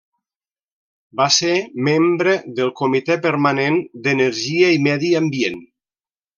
Va ser membre del Comité Permanent d'Energia i Medi Ambient.